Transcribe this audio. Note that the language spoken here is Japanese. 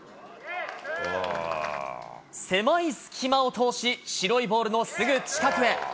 狭い隙間を通し、白いボールのすぐ近くへ。